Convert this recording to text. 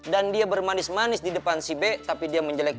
dan dia bermanis manis di depan si b tapi dia menjelekkan